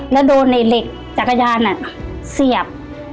แล้วโดนไอ้เหล็กจักรยานเสียบ